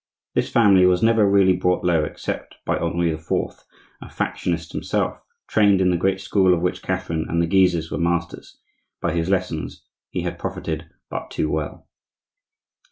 This family was never really brought low except by Henri IV.; a factionist himself, trained in the great school of which Catherine and the Guises were masters,—by whose lessons he had profited but too well.